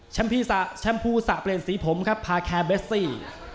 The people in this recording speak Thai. แชมพูสะเปลี่ยนสีผมครับพาแคร์เบสซี่